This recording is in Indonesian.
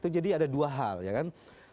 jadi ada dua hal ya kan